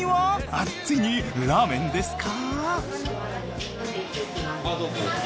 あっついにラーメンですか？